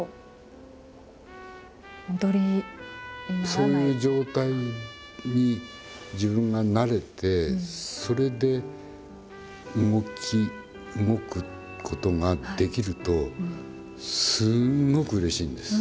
そういう状態に自分がなれてそれで動くことができるとすんごくうれしいんです。